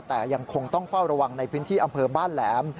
แต่ยังคงต้องเฝ้าระวังในพื้นที่อำเภอบ้านแหลม